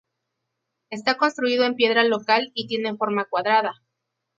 Está construido en piedra local y tiene forma cuadrada.